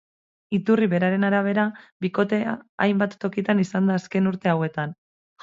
Iturri beraren arabera, bikotea hainbat tokitan izan da azken urte hauetan.